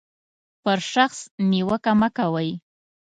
پر شخص نیوکه مه کوئ.